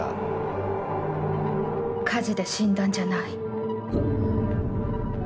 火事で死んだんじゃない。